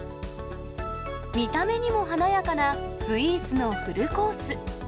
見た目にも華やかなスイーツのフルコース。